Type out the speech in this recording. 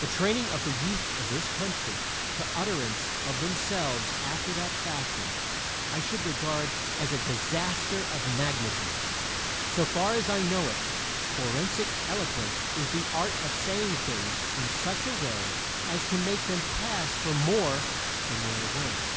The training of the youth of this country to utterance of themselves after that fashion I should regard as a disaster of magnitude. So far as I know it, forensic eloquence is the art of saying things in such a way as to make them pass for more than they are worth.